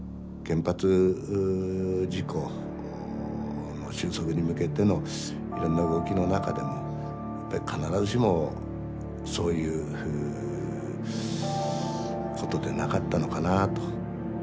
原発事故の収束に向けてのいろんな動きの中でもやっぱり必ずしもそういうことでなかったのかなと。